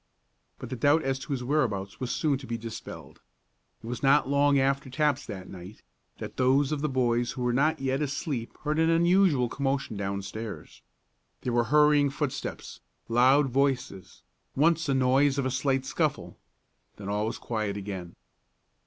But the doubt as to his whereabouts was soon to be dispelled. It was not long after taps that night, that those of the boys who were not yet asleep heard an unusual commotion downstairs. There were hurrying footsteps, loud voices, once a noise as of a slight scuffle; then all was quiet again.